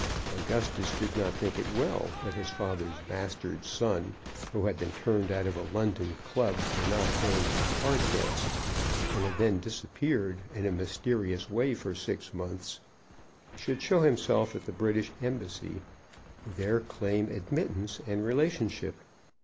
Augustus did not think it well that his father's bastard son, who had been turned out of a London club for not paying his card debts, and had then disappeared in a mysterious way for six months, should show himself at the British embassy, and there claim admittance and relationship.